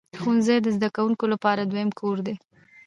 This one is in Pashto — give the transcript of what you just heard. ښوونځی د زده کوونکو لپاره دویم کور دی.